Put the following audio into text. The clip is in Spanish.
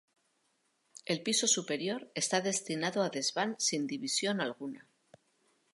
El piso superior está destinado a desván sin división alguna.